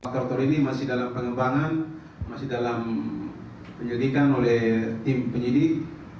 kartor ini masih dalam pengembangan masih dalam penyelidikan oleh tim penyelidik